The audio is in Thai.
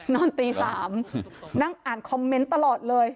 นอนตี๓นั่งอ่านคอมเมนต์ตลอดเลย